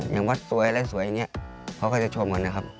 อย่างวัดสวยอะไรสวยอย่างนี้เขาก็จะชมกันนะครับ